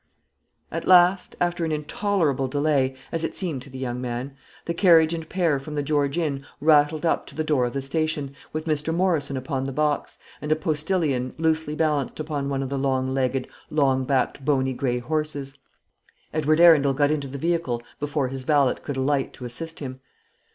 At last, after an intolerable delay, as it seemed to the young man, the carriage and pair from the George Inn rattled up to the door of the station, with Mr. Morrison upon the box, and a postillion loosely balanced upon one of the long legged, long backed, bony grey horses. Edward Arundel got into the vehicle before his valet could alight to assist him.